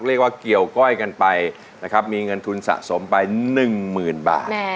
เรียกว่าเกี่ยวก้อยกันไปนะครับมีเงินทุนสะสมไป๑๐๐๐บาท